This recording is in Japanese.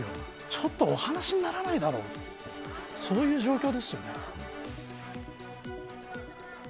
ちょっとお話にならないだろうとそういう状況ですよね。